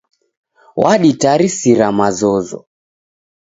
Waditarisira mazozo.